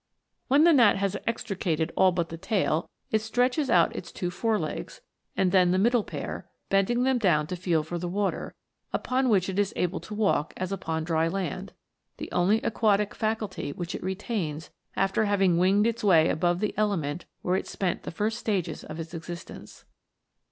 When the gnat has extricated all but the tail, it stretches out its two fore legs, and then the middle pair, bending them down to feel for the water, upon which it is able to walk as upon dry land, the only aquatic faculty which it retains after having winged its way above the element where it spent the first stages of its existence.